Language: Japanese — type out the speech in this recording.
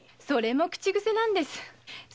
それも口ぐせなんです。